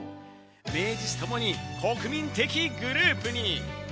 名実ともに国民的グループに！